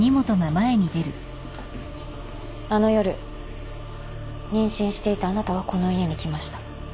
あの夜妊娠していたあなたはこの家に来ました。